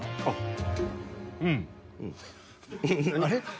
あっ。